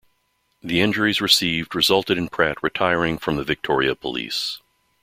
The injuries received resulted in Pratt retiring from the Victoria Police.